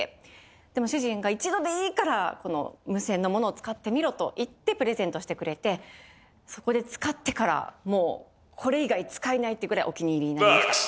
でも主人が一度でいいからこの無線のものを使ってみろと言ってプレゼントしてくれてそこで使ってからもうこれ以外使えないってぐらいお気に入りになりました。